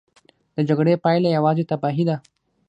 د جګړې پایله یوازې تباهي ده.